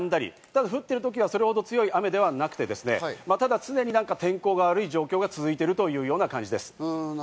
ただ降ってる時はそれほど強い雨ではなくて、ただ常になんか天候が悪い状況が続いているというような感じです。